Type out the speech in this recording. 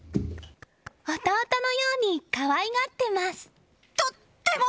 弟のように可愛がってます。